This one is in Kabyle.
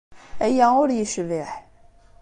Aya ur yecbiḥ.